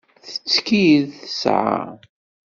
Tettkid tesεa.